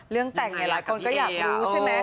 เรื่องแต่งแหละคนก็อยากรู้ใช่ไหม